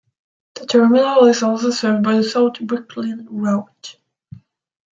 The terminal is also served by the South Brooklyn route.